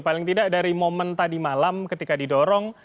paling tidak dari momen tadi malam ketika didorong